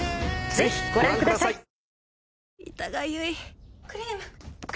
ぜひご覧ください。